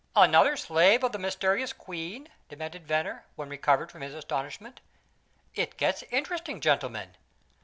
"Another slave of the mysterious queen?" demanded Venner, when recovered from his astonishment. "It gets interesting, gentlemen.